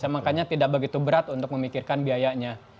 makanya tidak begitu berat untuk memikirkan biayanya